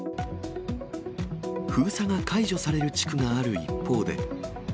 封鎖が解除される地区がある一方で。